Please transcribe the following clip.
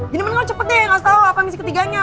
gini mending lo cepet deh gak usah tau apa misi ketiganya